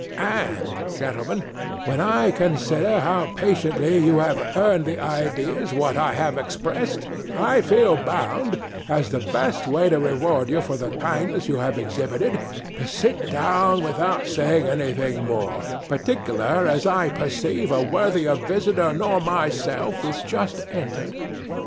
And, gentlemen, when I consider how patiently you have 'eared the ideas what I have expressed, I feel bound, as the best way to reward you for the kindness you have exhibited, to sit down without saying anything more—partickler as I perceive a worthier visitor nor myself is just entered.